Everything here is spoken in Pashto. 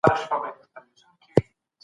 ستاسو په ذهن کي به د خلګو لپاره دوعا وي.